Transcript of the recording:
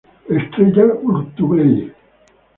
Estrella Urtubey.